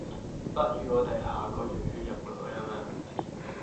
不如我地下個月去日本旅行呀